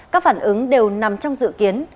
các phản ứng đều nằm trong dự kiến